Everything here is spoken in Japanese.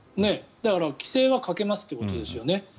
だから規制はかけますということですよね。